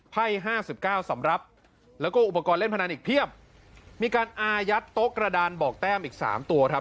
ไพ่ห้าสิบเก้าสำรับแล้วก็อุปกรณ์เล่นพนันอีกเพียบมีการอายัดโต๊ะกระดานบอกแต้มอีกสามตัวครับ